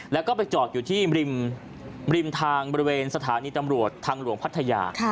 แล้วก็ไปจอดอยู่ที่ริมทางบริเวณสถานีตำรวจทางหลวงพัทยา